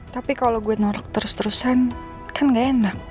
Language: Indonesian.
tapi kalau gue norak terus terusan kan gak enak